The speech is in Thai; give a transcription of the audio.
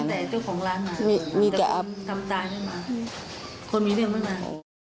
มีแต่เจ้าของร้านหลานแต่คุณทำตายไม่มาคุณมีเรื่องไม่มา